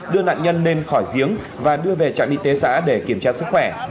đưa nạn nhân lên khỏi giếng và đưa về trạm y tế xã để kiểm tra sức khỏe